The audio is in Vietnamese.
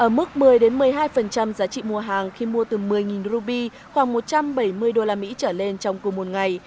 ở mức một mươi một mươi hai giá trị mua hàng khi mua từ một mươi ruby khoảng một trăm bảy mươi usd trở lên trong cùng một ngày